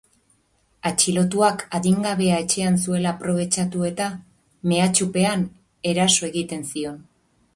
Atxilotuak adingabea etxean zuela aprobetxatu eta, mehatxupean, eraso egiten zion.